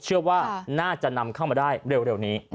เชื่อว่าน่าจะนำเข้ามาได้เร็วนี้